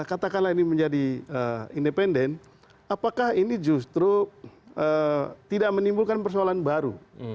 katakanlah ini menjadi independen apakah ini justru tidak menimbulkan persoalan baru